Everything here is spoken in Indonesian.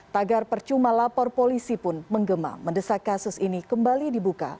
tagar percuma lapor polisi pun menggema mendesak kasus ini kembali dibuka